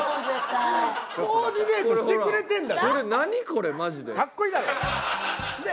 これマジで。